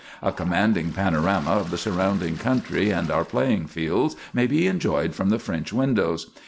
A commanding panorama of the surrounding country and our playing fields may be enjoyed from the French windows.